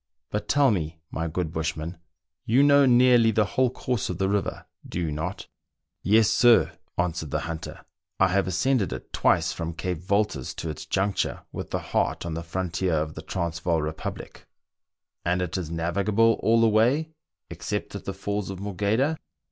But tell me, my good bushman, you know nearly the whole course of the river, do you not ?" "Yes, sir," answered the hunter, "I have ascended it twice from Cape Voltas to its juncture with the Hart on the frontier of the Transvaal Republic." THREE ENGLISHMEN AND THREE RUSSIANS. 1$ "And it is navigable all the way, except at the Falls of Morgheda